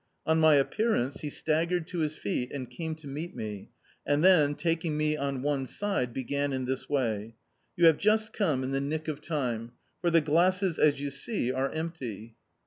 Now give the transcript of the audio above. On my appearance, he staggered to his feet and came to meet me, and then, taking me on one side, began in this way: "You have just c«ne in the nick of time, for the glasses, as you see, are empty.